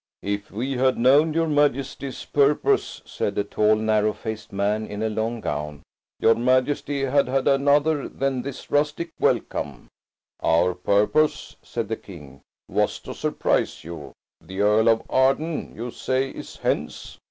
"If we had known your Majesties' purpose," said a tall, narrow faced man in a long gown, "your Majesties had had another than this rustic welcome." "Our purpose," said the King, "was to surprise you. The Earl of Arden, you say, is hence?"